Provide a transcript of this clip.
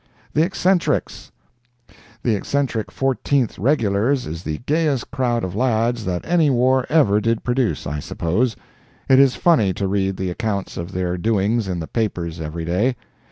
THE "ECCENTRICS" The eccentric Fourteenth Regulars is the gayest crowd of lads that any war ever did produce, I suppose. It is funny to read the accounts of their doings in the papers every day.